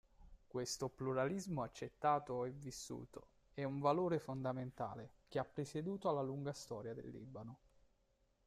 Questo pluralismo accettato e vissuto è un valore fondamentale che ha presieduto alla lunga storia del Libano.